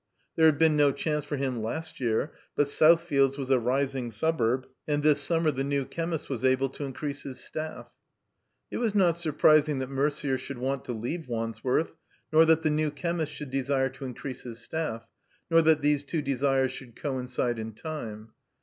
There had been no chance for him last year; but Southfields was a rising suburb, and this summer the new chemist was able to increase his staff. It was not surprising that Merder should want to leave Wandsworth, nor that the new chemist should desire to increase his staff, nor that these two desires should coindde in time.